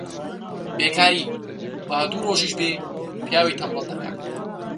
بێکاری، با دوو ڕۆژیش بێ، پیاوی تەنبەڵ دەکا